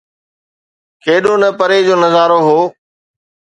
ڪيڏو نه پري جو نظارو هو.